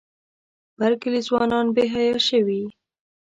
بر کلي ځوانان بې حیا شوي.